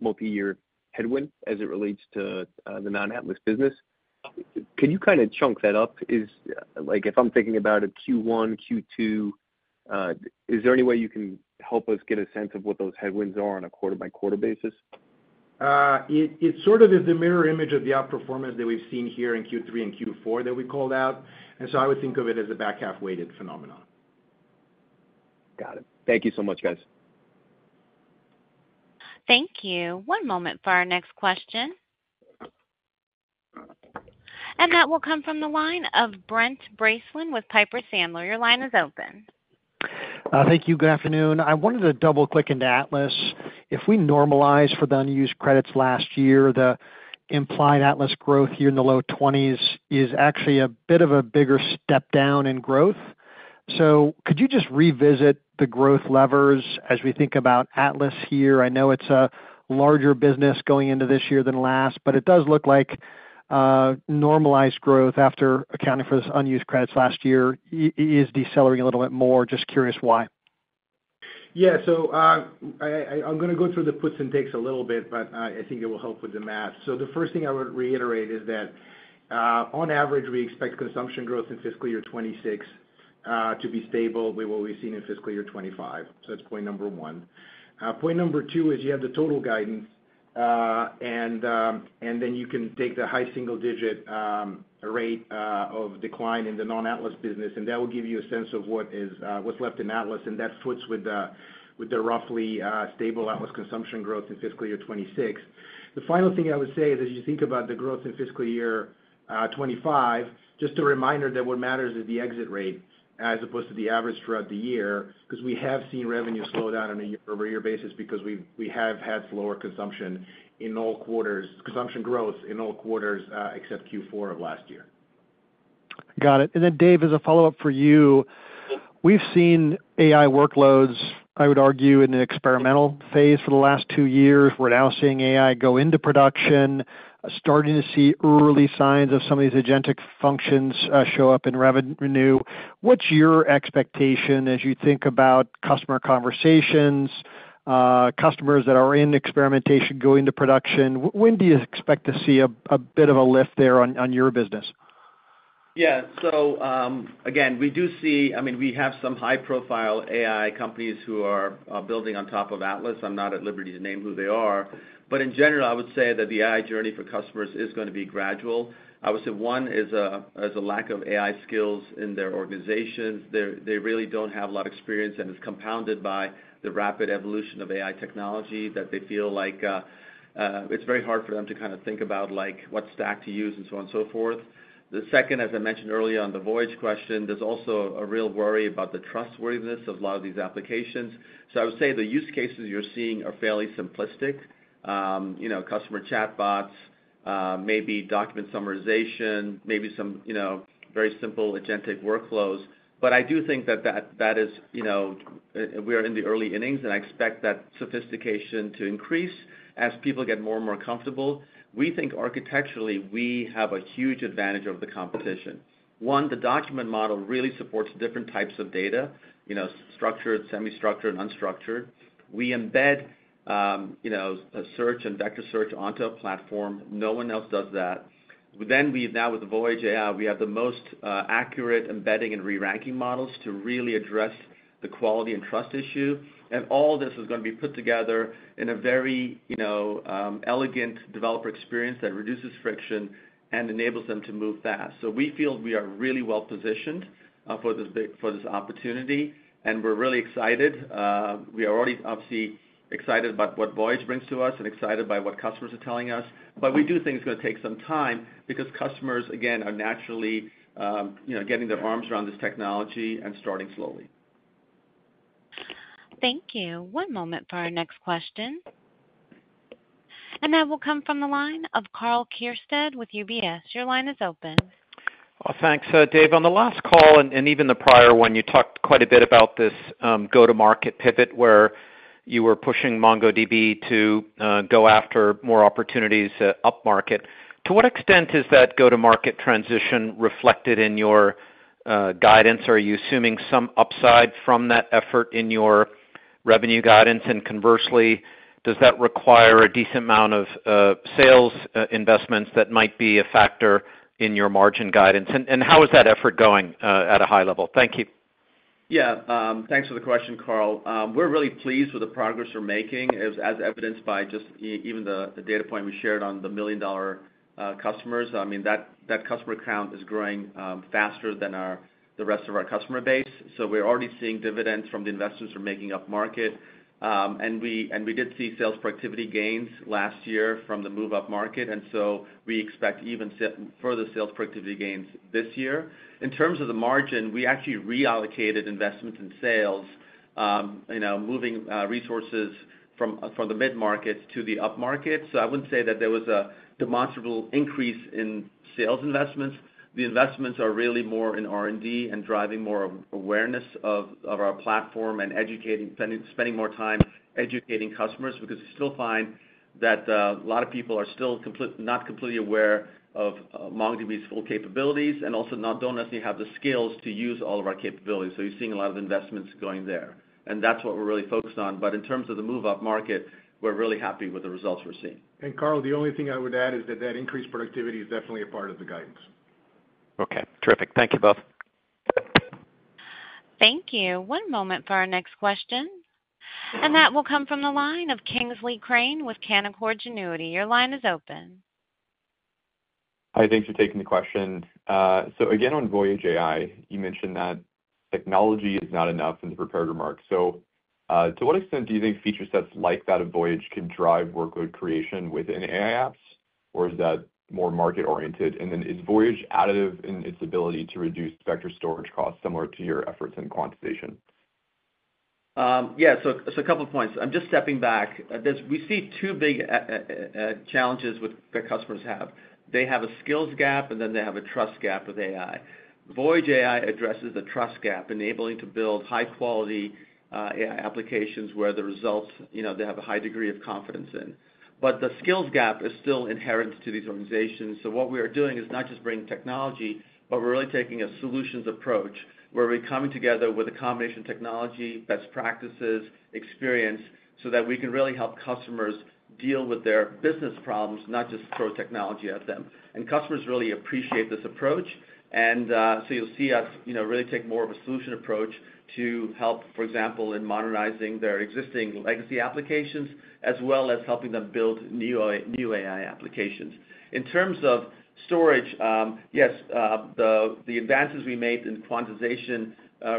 multi-year headwind as it relates to the non-Atlas business. Could you kind of chunk that up? If I'm thinking about a Q1, Q2, is there any way you can help us get a sense of what those headwinds are on a quarter-by-quarter basis? It sort of is the mirror image of the outperformance that we've seen here in Q3 and Q4 that we called out. And so I would think of it as a back-half-weighted phenomenon. Got it. Thank you so much, guys. Thank you. One moment for our next question. And that will come from the line of Brent Bracelin with Piper Sandler. Your line is open. Thank you. Good afternoon. I wanted to double-click into Atlas. If we normalize for the unused credits last year, the implied Atlas growth here in the low 20s is actually a bit of a bigger step down in growth. So could you just revisit the growth levers as we think about Atlas here? I know it's a larger business going into this year than last, but it does look like normalized growth after accounting for this unused credits last year is decelerating a little bit more. Just curious why. Yeah. So I'm going to go through the puts and takes a little bit, but I think it will help with the math. So the first thing I would reiterate is that, on average, we expect consumption growth in fiscal year 2026 to be stable with what we've seen in fiscal year 2025. So that's point number one. Point number two is you have the total guidance, and then you can take the high single-digit rate of decline in the non-Atlas business, and that will give you a sense of what's left in Atlas. And that fits with the roughly stable Atlas consumption growth in fiscal year 2026. The final thing I would say is, as you think about the growth in fiscal year 2025, just a reminder that what matters is the exit rate as opposed to the average throughout the year because we have seen revenue slow down on a year-over-year basis because we have had slower consumption in all quarters, consumption growth in all quarters except Q4 of last year. Got it. And then, Dev, as a follow-up for you, we've seen AI workloads, I would argue, in the experimental phase for the last two years. We're now seeing AI go into production, starting to see early signs of some of these agentic functions show up in revenue. What's your expectation as you think about customer conversations, customers that are in experimentation going to production? When do you expect to see a bit of a lift there on your business? Yeah. So again, we do see, I mean, we have some high-profile AI companies who are building on top of Atlas. I'm not at liberty to name who they are. But in general, I would say that the AI journey for customers is going to be gradual. I would say one is a lack of AI skills in their organizations. They really don't have a lot of experience, and it's compounded by the rapid evolution of AI technology that they feel like it's very hard for them to kind of think about what stack to use and so on and so forth. The second, as I mentioned earlier on the Voyage question, there's also a real worry about the trustworthiness of a lot of these applications. So I would say the use cases you're seeing are fairly simplistic: customer chatbots, maybe document summarization, maybe some very simple agentic workflows. But I do think that that is we are in the early innings, and I expect that sophistication to increase as people get more and more comfortable. We think architecturally we have a huge advantage over the competition. One, the document model really supports different types of data: structured, semi-structured, and unstructured. We embed a search and vector search onto a platform. No one else does that. Then we now, with the Voyage AI, we have the most accurate embedding and re-ranking models to really address the quality and trust issue. And all this is going to be put together in a very elegant developer experience that reduces friction and enables them to move fast. So we feel we are really well-positioned for this opportunity, and we're really excited. We are already, obviously, excited about what Voyage brings to us and excited by what customers are telling us. But we do think it's going to take some time because customers, again, are naturally getting their arms around this technology and starting slowly. Thank you. One moment for our next question. And that will come from the line of Karl Keirstead with UBS. Your line is open. Well, thanks, Dev. On the last call and even the prior one, you talked quite a bit about this go-to-market pivot where you were pushing MongoDB to go after more opportunities up-market. To what extent is that go-to-market transition reflected in your guidance? Are you assuming some upside from that effort in your revenue guidance? And conversely, does that require a decent amount of sales investments that might be a factor in your margin guidance? And how is that effort going at a high level? Thank you. Yeah. Thanks for the question, Karl. We're really pleased with the progress we're making, as evidenced by just even the data point we shared on the million-dollar customers. I mean, that customer count is growing faster than the rest of our customer base. So we're already seeing dividends from the investments we're making up-market. And we did see sales productivity gains last year from the move upmarket. And so we expect even further sales productivity gains this year. In terms of the margin, we actually reallocated investments in sales, moving resources from the mid-markets to the up-market. So I wouldn't say that there was a demonstrable increase in sales investments. The investments are really more in R&D and driving more awareness of our platform and spending more time educating customers because we still find that a lot of people are still not completely aware of MongoDB's full capabilities and also don't necessarily have the skills to use all of our capabilities. So you're seeing a lot of investments going there. And that's what we're really focused on. But in terms of the move upmarket, we're really happy with the results we're seeing. And Karl, the only thing I would add is that that increased productivity is definitely a part of the guidance. Okay. Terrific. Thank you both. Thank you. One moment for our next question. And that will come from the line of Kingsley Crane with Canaccord Genuity. Your line is open. Hi, thanks for taking the question. So again, on Voyage AI, you mentioned that technology is not enough in the prepared remarks. So to what extent do you think feature sets like that of Voyage can drive workload creation within AI apps, or is that more market-oriented? And then is Voyage additive in its ability to reduce vector storage costs similar to your efforts in quantization? Yeah. So a couple of points. I'm just stepping back. We see two big challenges that customers have. They have a skills gap, and then they have a trust gap with AI. Voyage AI addresses the trust gap, enabling to build high-quality AI applications where the results they have a high degree of confidence in. But the skills gap is still inherent to these organizations. So what we are doing is not just bringing technology, but we're really taking a solutions approach where we're coming together with a combination of technology, best practices, experience so that we can really help customers deal with their business problems, not just throw technology at them. And customers really appreciate this approach. And so you'll see us really take more of a solution approach to help, for example, in modernizing their existing legacy applications as well as helping them build new AI applications. In terms of storage, yes, the advances we made in quantization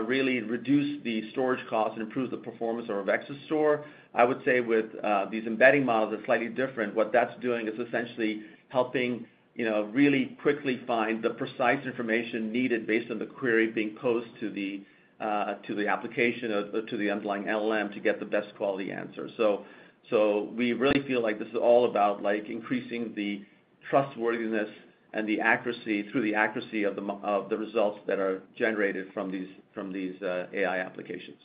really reduced the storage costs and improved the performance of our vector store. I would say with these embedding models, it's slightly different. What that's doing is essentially helping really quickly find the precise information needed based on the query being posed to the application or to the underlying LLM to get the best quality answer. So we really feel like this is all about increasing the trustworthiness and the accuracy through the accuracy of the results that are generated from these AI applications.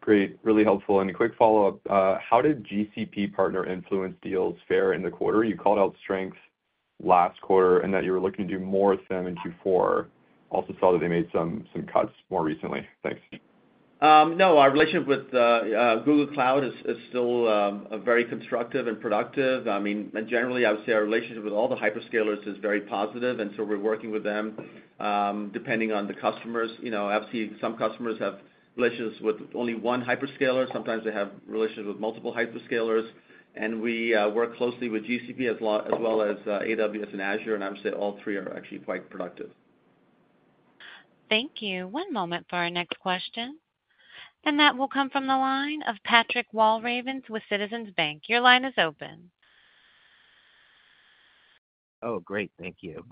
Great. Really helpful. And a quick follow-up. How did GCP partnership influence deals fare in the quarter? You called out strength last quarter and that you were looking to do more with them in Q4. Also saw that they made some cuts more recently. Thanks. No, our relationship with Google Cloud is still very constructive and productive. I mean, generally, I would say our relationship with all the hyperscalers is very positive. And so we're working with them depending on the customers. Obviously, some customers have relations with only one hyperscaler. Sometimes they have relations with multiple hyperscalers. And we work closely with GCP as well as AWS and Azure. And I would say all three are actually quite productive. Thank you. One moment for our next question. And that will come from the line of Patrick Walravens with Citizens Bank. Your line is open. Oh, great. Thank you.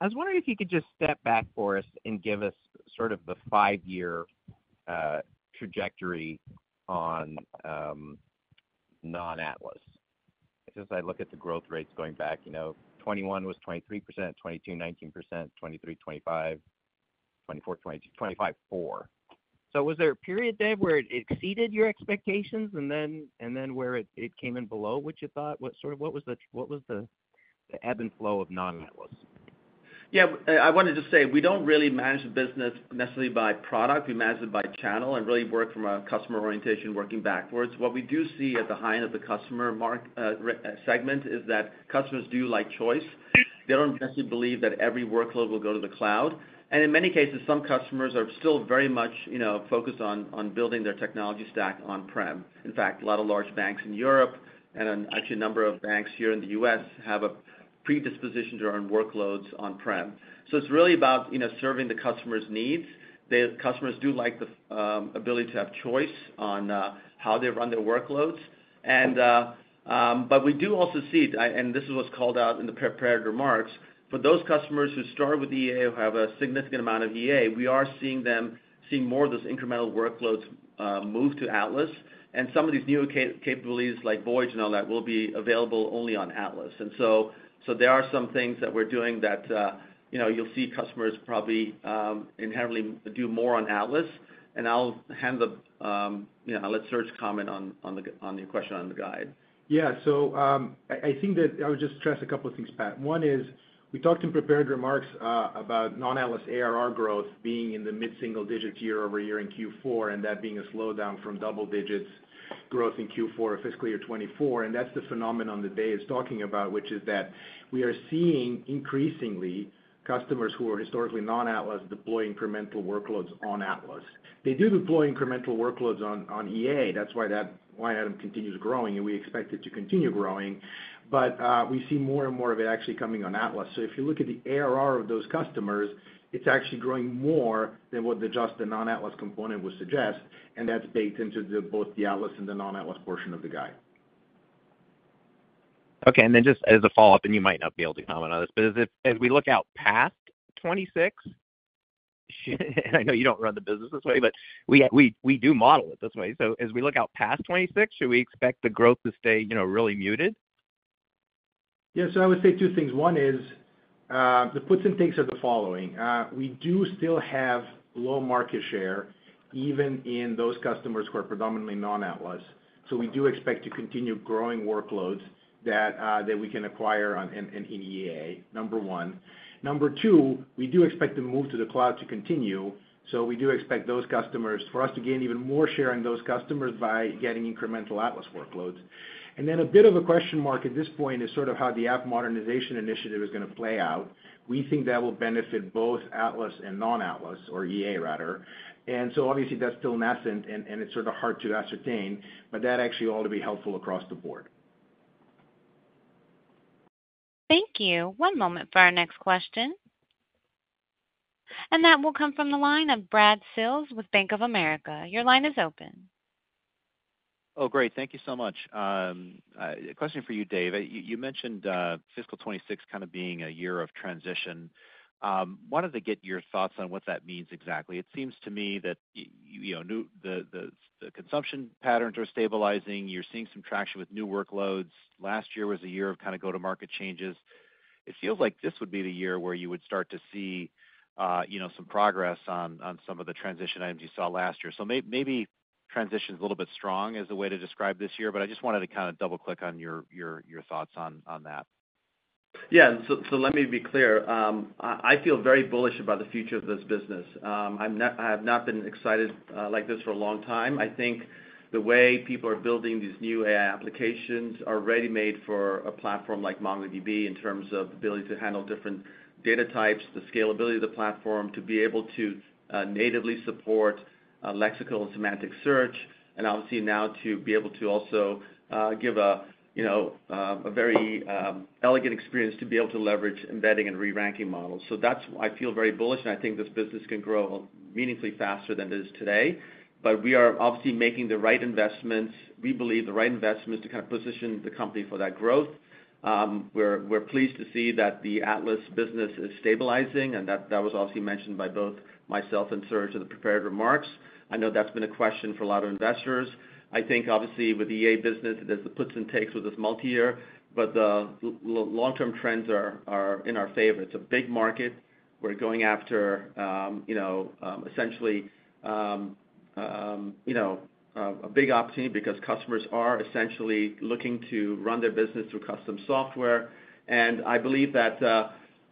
I was wondering if you could just step back for us and give us sort of the five-year trajectory on non-Atlas. Since I look at the growth rates going back, 2021 was 23%, 2022, 19%, 2023, 25%, 2024, 25%, 2024. So was there a period, Dev, where it exceeded your expectations and then where it came in below what you thought? What was the ebb and flow of non-Atlas? Yeah. I wanted to just say we don't really manage the business necessarily by product. We manage it by channel and really work from a customer orientation working backwards. What we do see at the high end of the customer segment is that customers do like choice. They don't necessarily believe that every workload will go to the cloud. And in many cases, some customers are still very much focused on building their technology stack on-prem. In fact, a lot of large banks in Europe and actually a number of banks here in the U.S. have a predisposition to run workloads on-prem. So it's really about serving the customer's needs. Customers do like the ability to have choice on how they run their workloads. But we do also see it, and this was called out in the prepared remarks, for those customers who start with EA who have a significant amount of EA. We are seeing them seeing more of those incremental workloads move to Atlas. And some of these new capabilities like Voyage and all that will be available only on Atlas. And so there are some things that we're doing that you'll see customers probably inherently do more on Atlas. And I'll hand it to Serge for comment on your question on the guide. Yeah. So I think that I would just stress a couple of things, Pat. One is we talked in prepared remarks about non-Atlas ARR growth being in the mid-single digits year-over-year in Q4 and that being a slowdown from double digits growth in Q4 of fiscal year 2024. That's the phenomenon that Dev is talking about, which is that we are seeing increasingly customers who are historically non-Atlas deploy incremental workloads on Atlas. They do deploy incremental workloads on EA. That's why that line item continues growing, and we expect it to continue growing. But we see more and more of it actually coming on Atlas. So if you look at the ARR of those customers, it's actually growing more than what just the non-Atlas component would suggest. And that's baked into both the Atlas and the non-Atlas portion of the guide. Okay. And then just as a follow-up, and you might not be able to comment on this, but as we look out past 2026, and I know you don't run the business this way, but we do model it this way. So as we look out past 2026, should we expect the growth to stay really muted? Yeah. So I would say two things. One is the puts and takes are the following. We do still have low market share even in those customers who are predominantly non-Atlas. So we do expect to continue growing workloads that we can acquire in EA, number one. Number two, we do expect the move to the cloud to continue. So we do expect those customers for us to gain even more share in those customers by getting incremental Atlas workloads. And then a bit of a question mark at this point is sort of how the app modernization initiative is going to play out. We think that will benefit both Atlas and non-Atlas, or EA rather. And so obviously, that's still nascent, and it's sort of hard to ascertain, but that actually ought to be helpful across the board. Thank you. One moment for our next question. And that will come from the line of Brad Sills with Bank of America. Your line is open. Oh, great. Thank you so much. Question for you, Dev. You mentioned fiscal 2026 kind of being a year of transition. Wanted to get your thoughts on what that means exactly. It seems to me that the consumption patterns are stabilizing. You're seeing some traction with new workloads. Last year was a year of kind of go-to-market changes. It feels like this would be the year where you would start to see some progress on some of the transition items you saw last year. So maybe transition is a little bit strong as a way to describe this year, but I just wanted to kind of double-click on your thoughts on that. Yeah. So let me be clear. I feel very bullish about the future of this business. I have not been excited like this for a long time. I think the way people are building these new AI applications are ready-made for a platform like MongoDB in terms of the ability to handle different data types, the scalability of the platform to be able to natively support lexical and semantic search, and obviously now to be able to also give a very elegant experience to be able to leverage embedding and re-ranking models. So I feel very bullish, and I think this business can grow meaningfully faster than it is today. But we are obviously making the right investments. We believe the right investment is to kind of position the company for that growth. We're pleased to see that the Atlas business is stabilizing, and that was obviously mentioned by both myself and Serge in the prepared remarks. I know that's been a question for a lot of investors. I think obviously with EA business, there's the puts and takes with this multi-year, but the long-term trends are in our favor. It's a big market. We're going after essentially a big opportunity because customers are essentially looking to run their business through custom software. And I believe that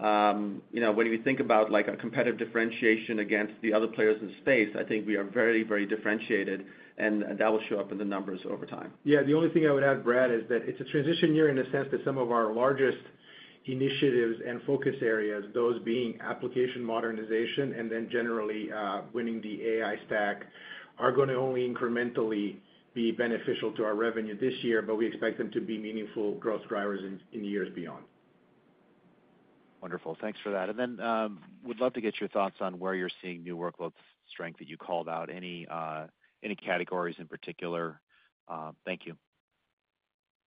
when you think about a competitive differentiation against the other players in the space, I think we are very, very differentiated, and that will show up in the numbers over time. Yeah. The only thing I would add, Brad, is that it's a transition year in a sense that some of our largest initiatives and focus areas, those being application modernization and then generally winning the AI stack, are going to only incrementally be beneficial to our revenue this year, but we expect them to be meaningful growth drivers in years beyond. Wonderful. Thanks for that. And then would love to get your thoughts on where you're seeing new workload strength that you called out. Any categories in particular? Thank you.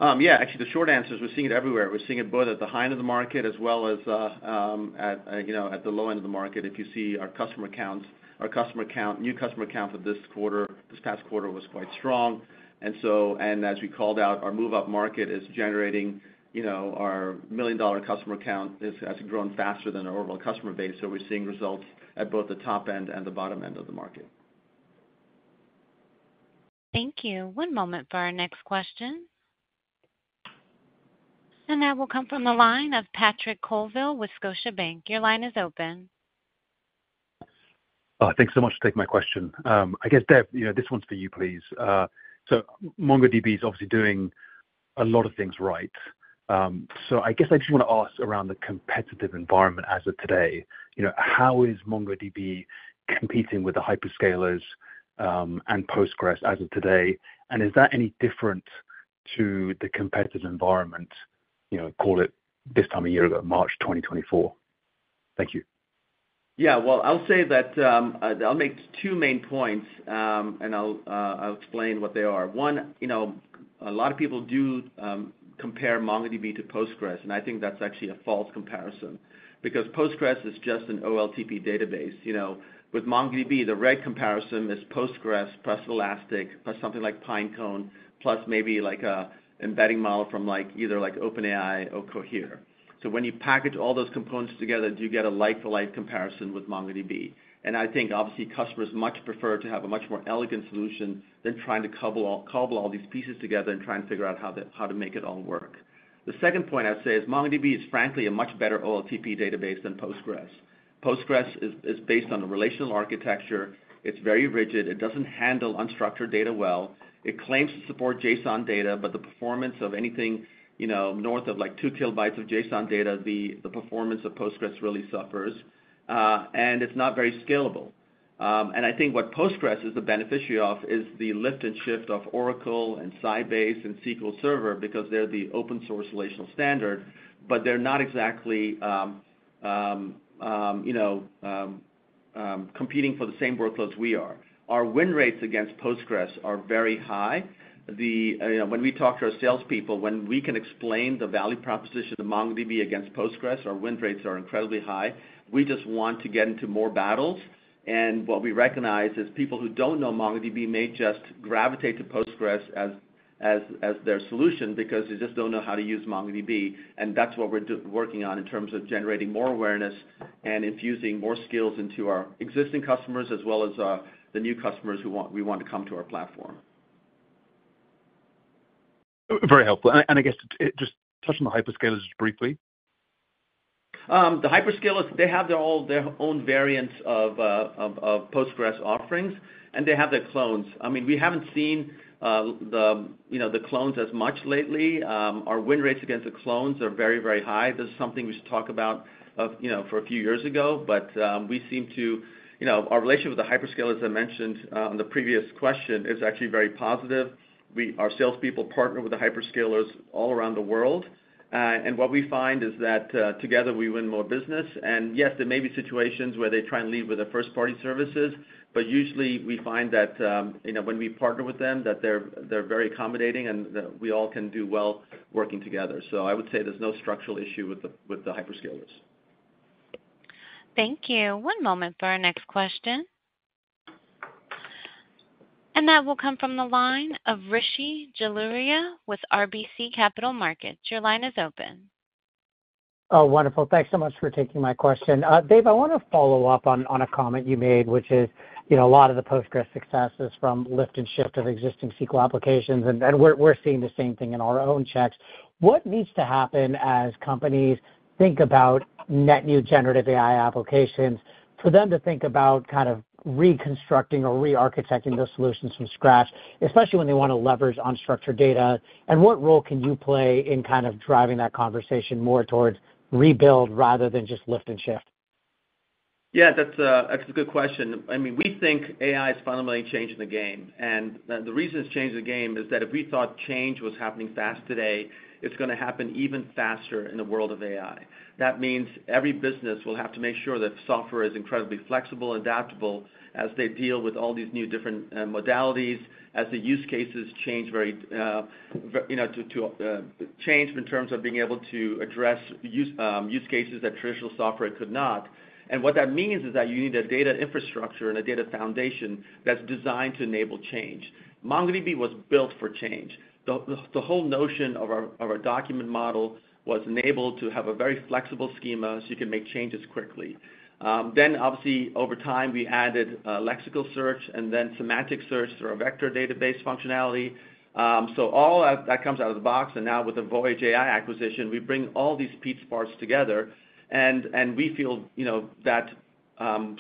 Yeah. Actually, the short answer is we're seeing it everywhere. We're seeing it both at the high end of the market as well as at the low end of the market. If you see our customer counts, our new customer count for this past quarter was quite strong. And as we called out, our move upmarket is generating our million-dollar customer count has grown faster than our overall customer base. So we're seeing results at both the top end and the bottom end of the market. Thank you. One moment for our next question. And that will come from the line of Patrick Colville with Scotiabank. Your line is open. Thanks so much for taking my question. I guess, Dev, this one's for you, please. So MongoDB is obviously doing a lot of things right. So I guess I just want to ask around the competitive environment as of today. How is MongoDB competing with the hyperscalers and Postgres as of today? And is that any different to the competitive environment, call it this time of year ago, March 2024? Thank you. Yeah. Well, I'll say that I'll make two main points, and I'll explain what they are. One, a lot of people do compare MongoDB to Postgres, and I think that's actually a false comparison because Postgres is just an OLTP database. With MongoDB, the right comparison is Postgres plus Elastic plus something like Pinecone plus maybe an embedding model from either OpenAI or Cohere, so when you package all those components together, you get a like-to-like comparison with MongoDB, and I think obviously customers much prefer to have a much more elegant solution than trying to cobble all these pieces together and trying to figure out how to make it all work. The second point I'd say is MongoDB is frankly a much better OLTP database than Postgres. Postgres is based on a relational architecture. It's very rigid. It doesn't handle unstructured data well. It claims to support JSON data, but the performance of anything north of two kilobytes of JSON data, the performance of Postgres really suffers. It’s not very scalable. I think what Postgres is the beneficiary of is the lift and shift of Oracle and Sybase and SQL Server because they’re the open-source relational standard, but they’re not exactly competing for the same workloads we are. Our win rates against Postgres are very high. When we talk to our salespeople, when we can explain the value proposition of MongoDB against Postgres, our win rates are incredibly high. We just want to get into more battles. What we recognize is people who don’t know MongoDB may just gravitate to Postgres as their solution because they just don’t know how to use MongoDB. That's what we're working on in terms of generating more awareness and infusing more skills into our existing customers as well as the new customers who we want to come to our platform. Very helpful. I guess just touch on the hyperscalers briefly. The hyperscalers, they have their own variants of Postgres offerings, and they have their clones. I mean, we haven't seen the clones as much lately. Our win rates against the clones are very, very high. This is something we used to talk about a few years ago, but we see our relationship with the hyperscalers, as I mentioned on the previous question, is actually very positive. Our salespeople partner with the hyperscalers all around the world. What we find is that together we win more business. And yes, there may be situations where they try and lead with the first-party services, but usually we find that when we partner with them, that they're very accommodating and that we all can do well working together. So I would say there's no structural issue with the hyperscalers. Thank you. One moment for our next question. And that will come from the line of Rishi Jaluria with RBC Capital Markets. Your line is open. Oh, wonderful. Thanks so much for taking my question. Dev I want to follow up on a comment you made, which is a lot of the Postgres success is from lift and shift of existing SQL applications, and we're seeing the same thing in our own checks. What needs to happen as companies think about net new generative AI applications for them to think about kind of reconstructing or re-architecting those solutions from scratch, especially when they want to leverage unstructured data? And what role can you play in kind of driving that conversation more towards rebuild rather than just lift and shift? Yeah, that's a good question. I mean, we think AI is fundamentally changing the game. And the reason it's changing the game is that if we thought change was happening fast today, it's going to happen even faster in the world of AI. That means every business will have to make sure that software is incredibly flexible and adaptable as they deal with all these new different modalities, as the use cases change very to change in terms of being able to address use cases that traditional software could not. What that means is that you need a data infrastructure and a data foundation that's designed to enable change. MongoDB was built for change. The whole notion of our document model was enabled to have a very flexible schema so you can make changes quickly. Then, obviously, over time, we added lexical search and then semantic search through our vector database functionality. So all that comes out of the box, and now with the Voyage AI acquisition, we bring all these piece parts together, and we feel that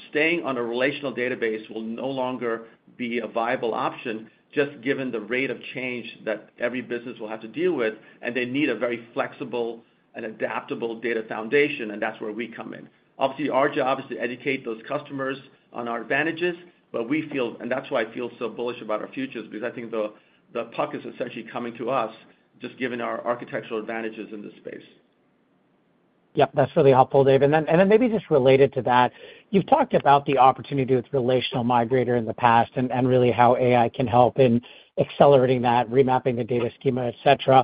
staying on a relational database will no longer be a viable option just given the rate of change that every business will have to deal with, and they need a very flexible and adaptable data foundation, and that's where we come in. Obviously, our job is to educate those customers on our advantages, but we feel, and that's why I feel so bullish about our futures, because I think the puck is essentially coming to us just given our architectural advantages in this space. Yep. That's really helpful, Dev. And then maybe just related to that, you've talked about the opportunity with Relational Migrator in the past and really how AI can help in accelerating that, remapping the data schema, etc.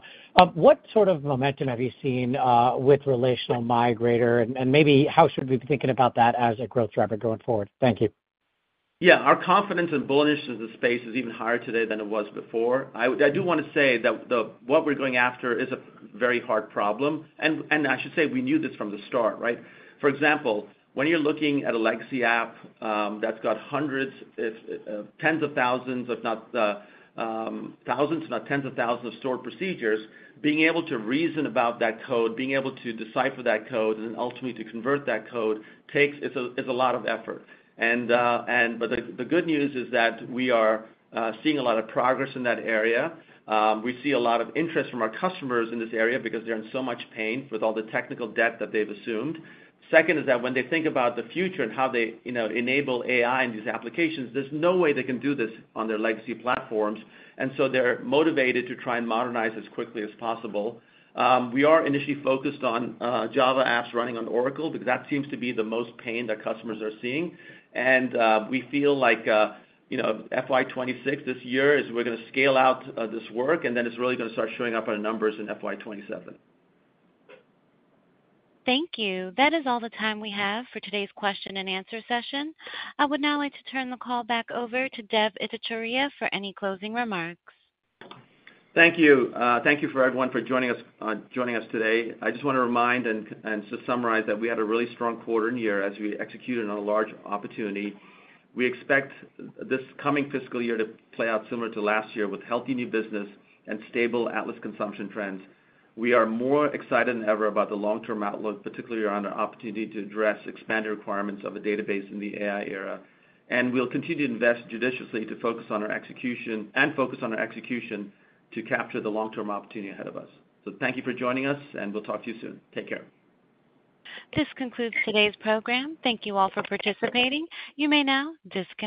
What sort of momentum have you seen with Relational Migrator? And maybe how should we be thinking about that as a growth driver going forward? Thank you. Yeah. Our confidence and bullishness in the space is even higher today than it was before. I do want to say that what we're going after is a very hard problem. And I should say we knew this from the start, right? For example, when you're looking at a legacy app that's got hundreds, tens of thousands, if not thousands, if not tens of thousands of stored procedures, being able to reason about that code, being able to decipher that code, and then ultimately to convert that code takes. It's a lot of effort. But the good news is that we are seeing a lot of progress in that area. We see a lot of interest from our customers in this area because they're in so much pain with all the technical debt that they've assumed. Second is that when they think about the future and how they enable AI in these applications, there's no way they can do this on their legacy platforms. And so they're motivated to try and modernize as quickly as possible. We are initially focused on Java apps running on Oracle because that seems to be the most pain that customers are seeing. And we feel like FY 2026 this year is we're going to scale out this work, and then it's really going to start showing up on numbers in FY 2027. Thank you. That is all the time we have for today's question and answer session. I would now like to turn the call back over to Dev Ittycheria for any closing remarks. Thank you. Thank you for everyone for joining us today. I just want to remind and to summarize that we had a really strong quarter and year as we executed on a large opportunity. We expect this coming fiscal year to play out similar to last year with healthy new business and stable Atlas consumption trends. We are more excited than ever about the long-term outlook, particularly around our opportunity to address expanded requirements of a database in the AI era, and we'll continue to invest judiciously to focus on our execution and focus on our execution to capture the long-term opportunity ahead of us, so thank you for joining us, and we'll talk to you soon. Take care. This concludes today's program. Thank you all for participating. You may now disconnect.